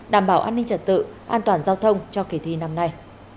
đảm bảo an ninh trật tự an toàn giao thông cho kỳ thi năm nay